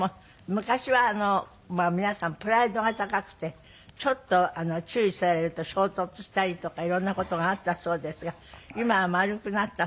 昔は皆さんプライドが高くてちょっと注意されると衝突したりとか色んな事があったそうですが今は丸くなったそうで。